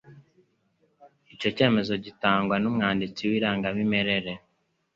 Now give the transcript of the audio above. icyo cyemezo gitangwa n'umwanditsi w'irangamimerere